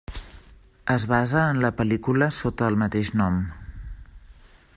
Es basa en la pel·lícula sota el mateix nom.